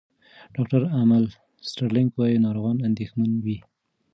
ډاکټر امل سټرلینګ وايي، ناروغان اندېښمن وي.